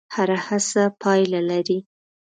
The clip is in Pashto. هره هڅه پایله لري.